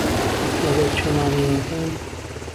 له گهل شهمامەی مهمکان